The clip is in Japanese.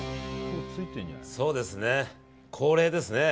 そうですね、恒例ですね。